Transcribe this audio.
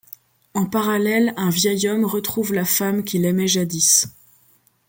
En parallèle, un vieil homme retrouve la femme qu'il aimait jadis.